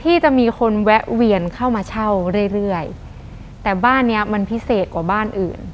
ที่จะมีคนแวะเวียนเข้ามาเช่าเรื่อยเรื่อยแต่บ้านเนี้ยมันพิเศษกว่าบ้านอื่น